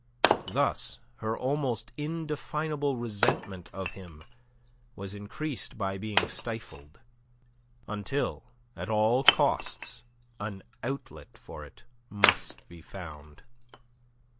Thus her almost indefinable resentment of him was increased by being stifled, until, at all costs, an outlet for it must be found.